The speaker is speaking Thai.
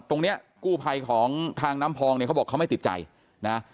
ตรงเนี้ยกู้ภัยของทางน้ำพองเนี่ยเขาบอกเขาไม่ติดใจนะ